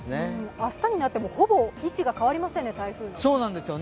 明日になってもほぼ位置が変わりませんね、台風の。